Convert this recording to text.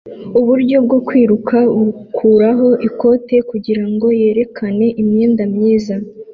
Uburyo bwo kwiruka bukuraho ikote kugirango yerekane imyenda myiza